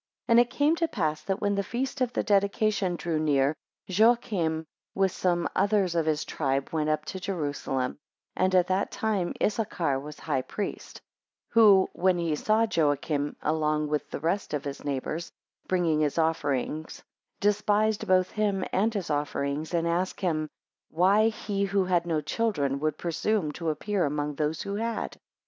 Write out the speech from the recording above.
7 And it came to pass, that when the feast of the dedication drew near, Joachim, with some others of his tribe, went up to Jerusalem, and at that time, Isachar was high priest; 8 Who, when he saw Joachim along with the rest of his neighbours, bringing his offerings, despised both him and his offerings, and asked him, 9 Why he, who had no children, would presume to appear among those who had?